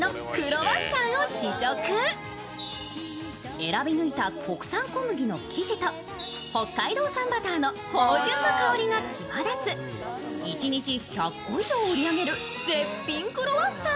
選び抜いた国産小麦の生地と北海道産バターの芳じゅんな香りが際立つ一日１００個以上売り上げる絶品クロワッサン。